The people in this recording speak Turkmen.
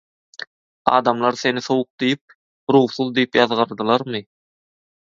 Adamlar seni sowuk diýip, ruhsuz diýip ýazgardylarmy?